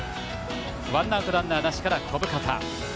ワンアウト、ランナーなしから小深田。